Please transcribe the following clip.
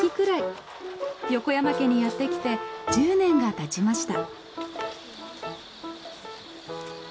横山家にやってきて１０年が経ちました。